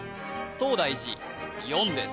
東大寺４です